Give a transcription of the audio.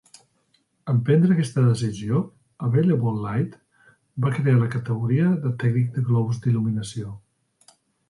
En prendre aquesta decisió, Available Light va crear la categoria de tècnic de globus d'il·luminació.